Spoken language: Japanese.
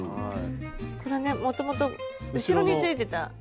これねもともと後ろについてたやつを。